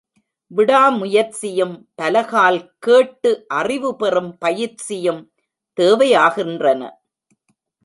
விடாமுயற்சியும், பலகால் கேட்டு அறிவுபெறும் பயிற்சியும் தேவையாகின்றன.